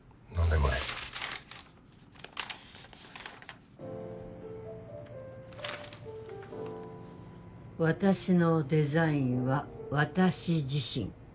これ「私のデザインは私自身」